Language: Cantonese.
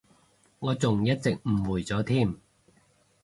我仲一直誤會咗添